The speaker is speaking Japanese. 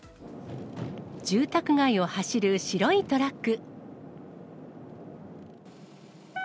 住宅街を走る白いトラック。